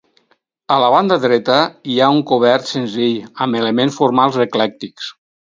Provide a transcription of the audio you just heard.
A la banda dreta hi ha un cobert senzill amb elements formals eclèctics.